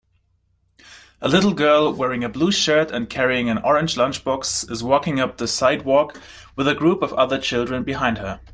A little girl wearing a blue shirt and carrying an orange lunchbox is walking up the sidewalk with a group of other children behind her